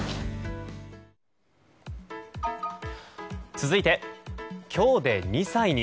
続いて、今日で２歳に。